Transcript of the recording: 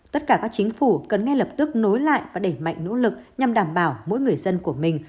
tất cả các chính phủ cần ngay lập tức nối lại và đẩy mạnh nỗ lực nhằm đảm bảo mỗi người dân của mình